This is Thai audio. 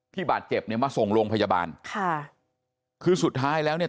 บาดเจ็บเนี่ยมาส่งโรงพยาบาลค่ะคือสุดท้ายแล้วเนี่ย